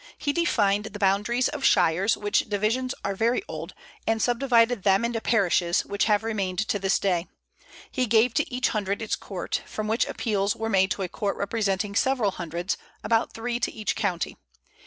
He defined the boundaries of shires, which divisions are very old, and subdivided them into parishes, which have remained to this day. He gave to each hundred its court, from which appeals were made to a court representing several hundreds, about three to each county.